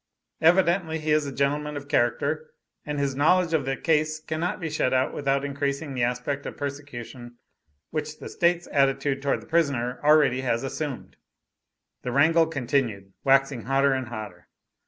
Evidently he is a gentleman of character, and his knowledge of the case cannot be shut out without increasing the aspect of persecution which the State's attitude towards the prisoner already has assumed." The wrangle continued, waxing hotter and hotter.